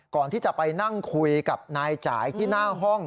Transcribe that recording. ก่อนที่จะไปนั่งคุยกับนายจ่ายที่หน้าห้อง